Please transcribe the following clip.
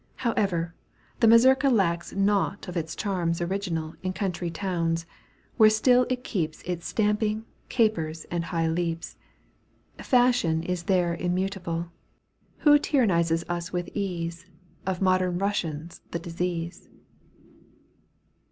However, the mazurka lacks Nought of its charms original In country towns, where still it keeps Its stamping, capers and high leaps. Fashion is there immutable. Who tyrannizes us with ease, Of modem Eussians the disease.